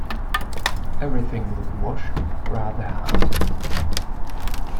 Everything looked washed, rather hard.